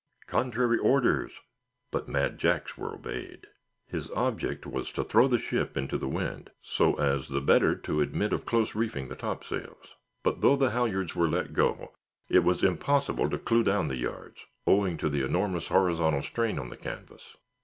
Contrary orders! But Mad Jack's were obeyed. His object was to throw the ship into the wind, so as the better to admit of close reefing the topsails. But though the halyards were let go, it was impossible to clew down the yards, owing to the enormous horizontal strain on the canvas.